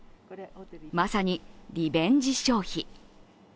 まさにリベンジ消費。